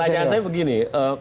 pertanyaan saya begini